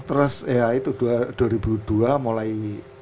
terus ya itu dua ribu dua mulai